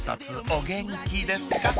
お元気ですか？